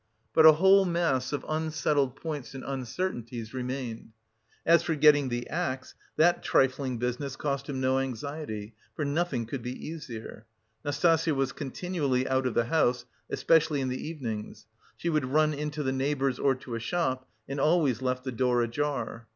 But a whole mass of unsettled points and uncertainties remained. As for getting the axe, that trifling business cost him no anxiety, for nothing could be easier. Nastasya was continually out of the house, especially in the evenings; she would run in to the neighbours or to a shop, and always left the door ajar.